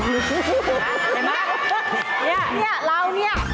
เนี่ยเรานี่